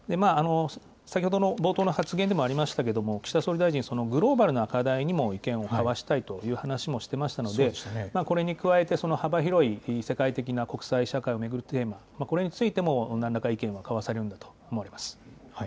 先ほどの冒頭の発言でもありましたけれども、岸田総理大臣、グローバルな課題にも意見を交わしたいという話もしてましたので、これに加えて、幅広い世界的な国際社会を巡るテーマ、これについてもなんらか意見は交わされるんだと思います。